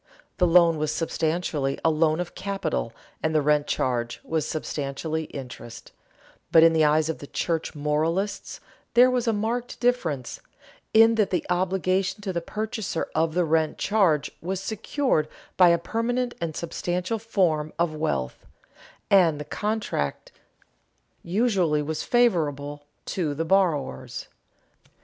The loan was substantially a loan of capital and the rent charge was substantially interest, but in the eyes of the church moralists there was a marked difference, in that the obligation to the purchaser of the rent charge was secured by a permanent and substantial form of wealth, and the contract usually was favorable to the borrowers.